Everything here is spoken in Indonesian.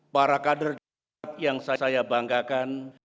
para kader yang saya banggakan